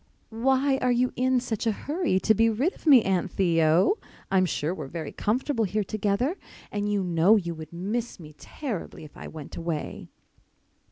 "Why are you in such a hurry to be rid of me, Aunt Theo? I'm sure we're very comfortable here together and you know you would miss me terribly if I went away."